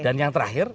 dan yang terakhir